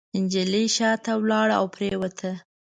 نجلۍ شاته لاړه او پرېوته.